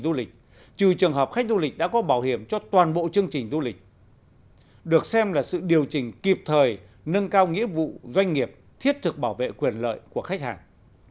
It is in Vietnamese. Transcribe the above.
du lịch trừ trường hợp khách du lịch đã có bảo hiểm cho toàn bộ chương trình du lịch được xem là sự điều chỉnh kịp thời nâng cao nghĩa vụ doanh nghiệp thiết thực bảo vệ quyền lợi của khách hàng